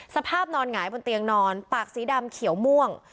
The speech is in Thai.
สภาพนอนหงายบนเตียงนอนปากสีดำเขียวม่วง